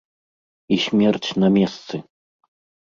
І смерць на месцы!